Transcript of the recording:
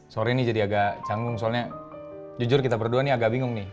sore ini jadi agak canggung soalnya jujur kita berdua nih agak bingung nih